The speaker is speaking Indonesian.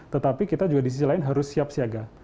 tetapi kita juga di sisi lain harus siap siaga